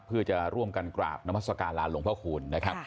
เพื่อจะร่วมกันกราบนมัศกาลลาหลวงพระคูณนะครับ